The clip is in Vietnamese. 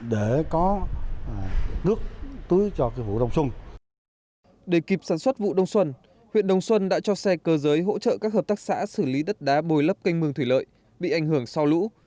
để kịp sản xuất vụ đông xuân huyện đồng xuân đã cho xe cơ giới hỗ trợ các hợp tác xã xử lý đất đá bồi lấp canh mương thủy lợi bị ảnh hưởng sau lũ